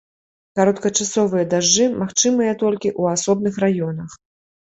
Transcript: Кароткачасовыя дажджы магчымыя толькі ў асобных раёнах.